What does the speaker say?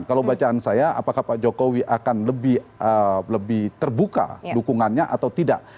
kalau bacaan saya apakah pak jokowi akan lebih terbuka dukungannya atau tidak